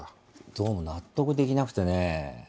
どうも納得できなくてね。